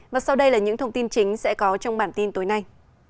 và sau đây là những thông tin chính sẽ có trong bản tin tối nay